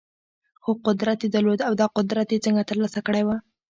خو قدرت يې درلود او دا قدرت يې څنګه ترلاسه کړی و؟